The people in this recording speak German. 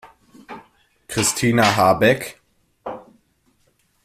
Christina Habeck?